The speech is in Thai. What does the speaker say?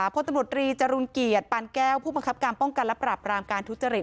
พลตำรวจรีจรุลเกียรติปานแก้วผู้บังคับการป้องกันและปรับรามการทุจริต